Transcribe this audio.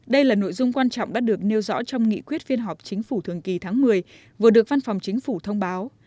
đây là nội dung quan trọng đã được nêu rõ trong nghị quyết phiên họp chính phủ thường kỳ tháng một mươi vừa được văn phòng chính phủ thông báo